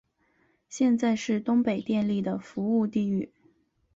现在是东北电力的服务地域。